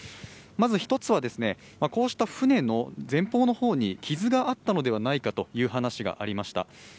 まず１つは、こうした船の前方に傷があったのではないかという話がありました。